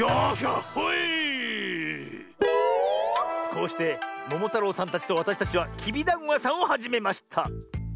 こうしてももたろうさんたちとわたしたちはきびだんごやさんをはじめました。